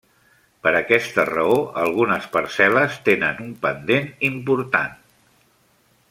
Per aquesta raó, algunes parcel·les tenen un pendent important.